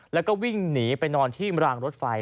แล้วก็วิ่งหนีไปนอนที่รางรถไฟ